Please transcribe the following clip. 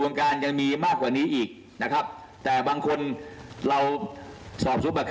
น่าแต่ว่าจะไล่ให้หมดทั้งขบวนการ